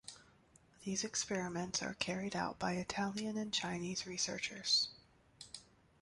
These experiments are carried out by Italian and Chinese researchers.